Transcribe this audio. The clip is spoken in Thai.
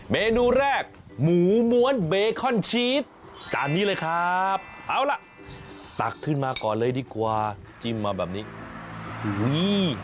เมนูแรกหมูม้วนเบคอนชีสจานนี้เลยครับเอาล่ะตักขึ้นมาก่อนเลยดีกว่าจิ้มมาแบบนี้อุ้ย